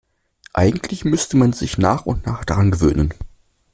Eigentlich müsste man sich nach und nach daran gewöhnen.